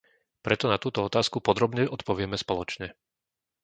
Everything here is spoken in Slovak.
Preto na túto otázku podrobne odpovieme spoločne.